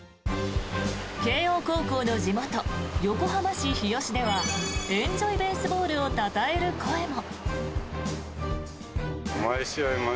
慶応高校の地元・横浜市日吉ではエンジョイ・ベースボールをたたえる声も。